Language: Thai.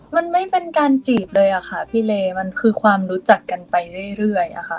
มันไม่เป็นการจีบเลยอะค่ะพี่เลมันคือความรู้จักกันไปเรื่อยอะค่ะ